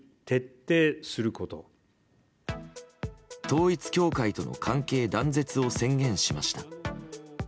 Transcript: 統一教会との関係断絶を宣言しました。